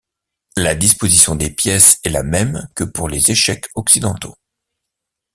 La disposition des pièces est la même que pour les échecs occidentaux.